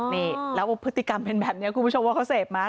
นี่แล้วพฤติกรรมเป็นแบบนี้คุณผู้ชมว่าเขาเสพไหม